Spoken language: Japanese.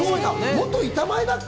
元板前だっけ？